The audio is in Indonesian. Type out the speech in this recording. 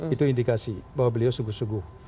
itu indikasi bahwa beliau suguh suguh